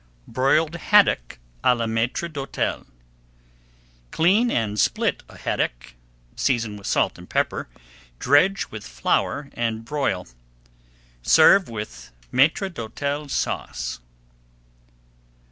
BROILED HADDOCK À LA MAÎTRE D'HÔTEL Clean and split a haddock, season with salt and pepper, dredge with flour, and broil. Serve with Maître d'Hôtel Sauce.